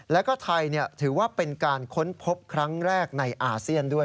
แล้วก็ไทยถือว่าเป็นการค้นพบครั้งแรกในอาเซียนด้วย